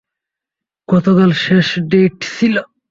গতকাল শেষ ডেইট ছিলো।